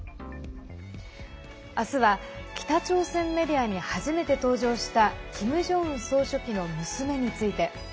明日は、北朝鮮メディアに初めて登場したキム・ジョンウン総書記の娘について。